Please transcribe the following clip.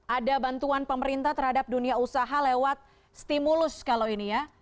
ada bantuan pemerintah terhadap dunia usaha lewat stimulus kalau ini ya